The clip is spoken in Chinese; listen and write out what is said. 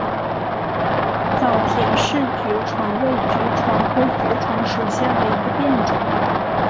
早田氏爵床为爵床科爵床属下的一个变种。